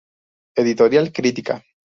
Editorial Crítica.